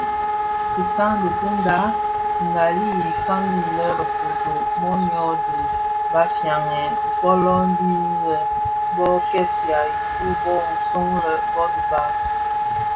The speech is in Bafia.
Kisam dhi kinga gbali I faňii lè Bekodo mōnyō di bafianè folomin nnë bö kpèya ifuu bō sug yè bhog bo dhad.